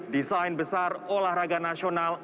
desain besar olahraga nasional